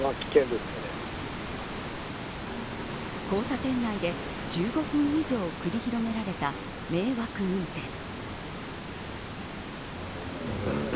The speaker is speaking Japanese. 交差点内で１５分以上繰り広げられた迷惑運転。